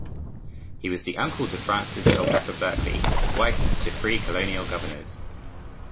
He was the uncle to Frances Culpeper Berkeley, wife to three colonial governors.